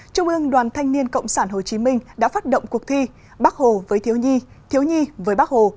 trung ương đoàn thanh niên cộng sản hồ chí minh đã phát động cuộc thi bác hồ với thiếu nhi thiếu nhi với bắc hồ